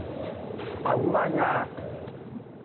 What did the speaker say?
あっ、うまいなぁ。